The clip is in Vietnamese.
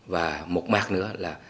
và một mặt nữa là